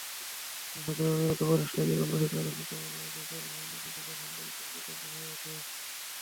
রাশেদের অবিরত প্রচেষ্টায় গ্রামবাসী নারীশিক্ষা, মানবাধিকার, মৌলিক অধিকার সম্পর্কে সচেতন হয়ে ওঠে।